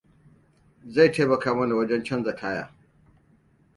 Zai taimaka mana wajen canza taya.